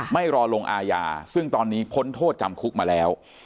ไม่รอลงอาญาซึ่งตอนนี้พ้นโทษจำคุกมาแล้ว